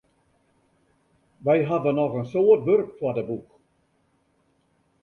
Wy hawwe noch in soad wurk foar de boech.